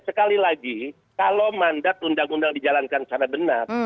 sekali lagi kalau mandat undang undang dijalankan secara benar